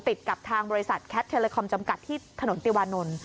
ติดกับทางบริษัทแคทเทลคอมจำกัดที่ถนนติวานนท์